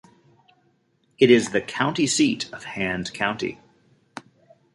It is the county seat of Hand County.